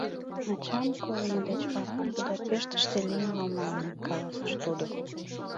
— Ачам колымо деч вара Будапештыште лийын омыл ыле, — каласыш тудо.